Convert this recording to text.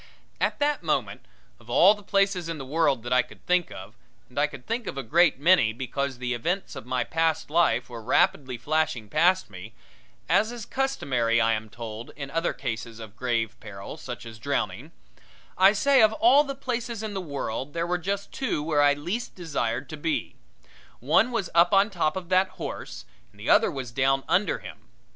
At that moment, of all the places in the world that I could think of and I could think of a great many because the events of my past life were rapidly flashing past me as is customary, I am told, in other cases of grave peril, such as drowning I say of all the places in the world there were just two where I least desired to be one was up on top of that horse and the other was down under him.